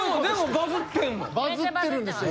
バズってんですよ